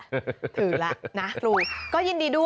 ถือแล้วนะครูก็ยินดีด้วย